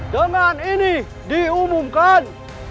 dengan ini diumumkan